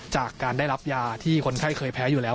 จากการได้รับยาที่คนไข้เคยแพ้อยู่แล้ว